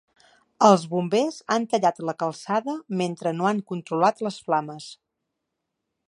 Els bombers han tallat la calçada mentre no han controlat les flames.